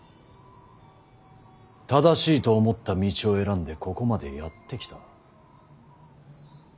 正しいと思った道を選んでここまでやって来た。